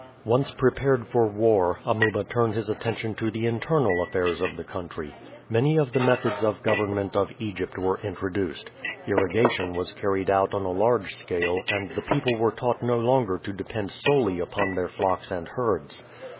Once prepared for war, Amuba turned his attention to the internal affairs of the country. Many of the methods of government of Egypt were introduced. Irrigation was carried out on a large scale and the people were taught no longer to depend solely upon their flocks and herds.